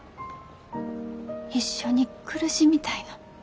一緒に苦しみたいの。